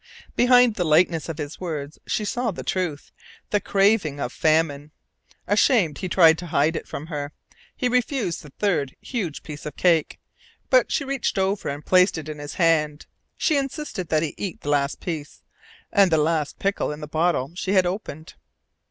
Behind the lightness of his words she saw the truth the craving of famine. Ashamed, he tried to hide it from her. He refused the third huge piece of cake, but she reached over and placed it in his hand. She insisted that he eat the last piece, and the last pickle in the bottle she had opened.